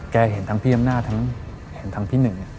แกเห็นทั้งพี่อำนาจทั้งพี่หนึ่ง